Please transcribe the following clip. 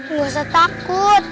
nggak usah takut